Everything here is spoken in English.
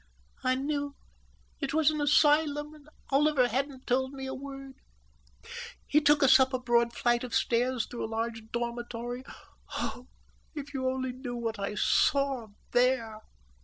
"I knew it was an asylum, and Oliver hadn't told me a word. He took us up a broad flight of stairs, through a large dormitory—oh, if you only knew what I saw there!